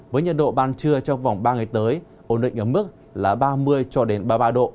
với nhiệt độ ban trưa trong vòng ba ngày tới ổn định ở mức là ba mươi cho đến ba mươi ba độ